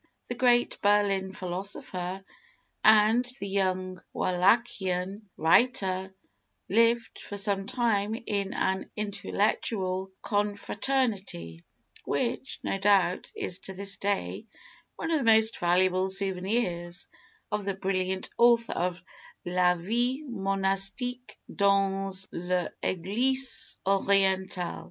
The great Berlin philosopher and the young Wallachian writer lived for some time in an intellectual confraternity, which, no doubt, is to this day one of the most valuable souvenirs of the brilliant author of "La Vie Monastique dans l'Eglise Orientale."